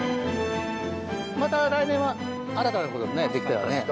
また来年は新たなことができたらね。